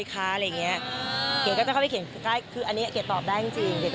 การทำงานมาตลอด๖ปีเต็ม